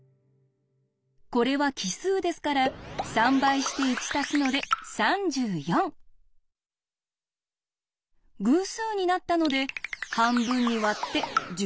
これは奇数ですから３倍して１たすので偶数になったので半分に割って１７。